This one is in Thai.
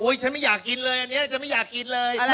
ฉันไม่อยากกินเลยอันนี้ฉันไม่อยากกินเลย